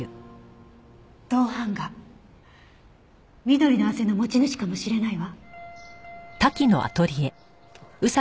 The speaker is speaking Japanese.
緑の汗の持ち主かもしれないわ。